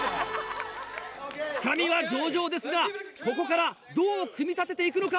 つかみは上々ですがここからどう組み立てていくのか？